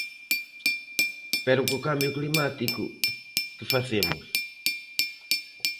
Pero co cambio climático ¿que facemos?